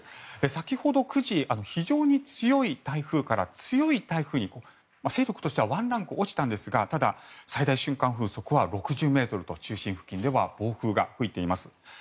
先ほど９時、非常に強い台風から強い台風に勢力としてはワンランク落ちたんですがただ、最大瞬間風速は６０ｍと中心付近では暴風が吹いています。